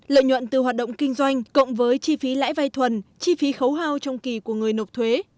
lợi nhuận từ hoạt động kinh doanh cộng với chi phí lãi vay thuần chi phí khấu hao trong kỳ của người nộp thuế